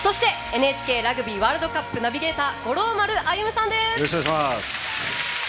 ＮＨＫラグビーワールドカップナビゲーター五郎丸歩さんです。